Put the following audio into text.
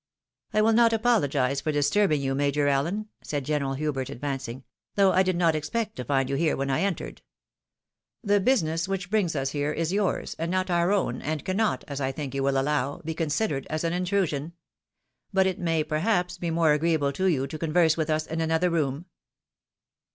" I will not apologise for disturbing you, Major Allen," said General Hubert, advancing, " though I did not expect to find you here when I entered. The business which brings us here is yours, and not our own, and cannot, as I think you will allow, ALIASES. 379 be considered as an intrusion. But it may perhaps be more agreeable to you to converse with us in another room